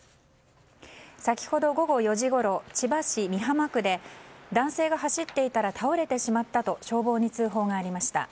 先ほど、午後４時ごろ千葉市美浜区で男性が走っていたら倒れてしまったと消防に通報がありました。